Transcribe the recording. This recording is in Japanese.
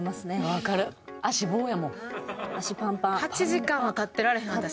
８時間は立ってられへん私。